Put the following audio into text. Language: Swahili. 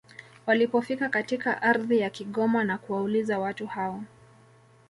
Walipofika katika ardhi ya Kigoma na kuwauliza watu hao